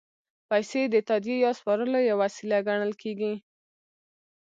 پیسې د تادیې یا سپارلو یوه وسیله ګڼل کېږي